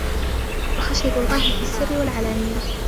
وَخَشْيَةُ اللَّهِ فِي السِّرِّ وَالْعَلَانِيَةِ